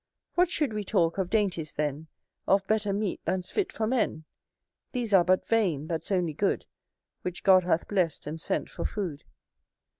What should we talk of dainties, then, Of better meat than's fit for men? These are but vain: that's only good Which God hath blessed and sent for food.